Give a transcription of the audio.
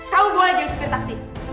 kamu boleh jadi supir taksi